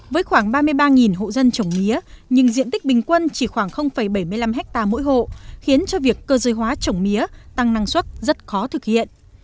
với khoảng ba mươi ba hộ dân trồng mía nhưng diện tích bình quân chỉ khoảng bảy mươi năm hectare mỗi hộ khiến cho việc cơ giới hóa trồng mía tăng năng suất rất khó thực hiện